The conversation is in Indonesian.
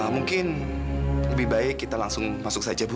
mungkin lebih baik kita langsung masuk saja bu